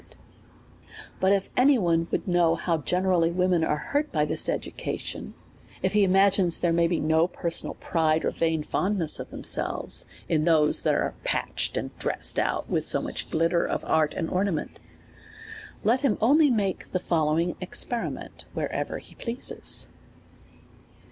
254 A SERIOUS CALL TO A But if any one would know how, generally, women are hurt by this education ; if he ima^nes there may be no personal pride, or vain fondness of themselves, in those that ai e {patched and dressed out with so much glitter of art and ornament : Let him only make the following experiment where ever he pleases.